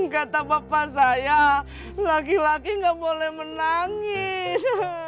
gak tak apa apa saya laki laki gak boleh menangis